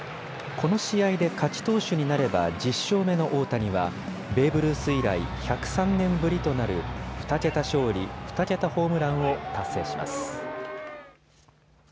この試合で勝ち投手になれば１０勝目の大谷は、ベーブ・ルース以来、１０３年ぶりとなる２桁勝利、２桁ホームランを達成します。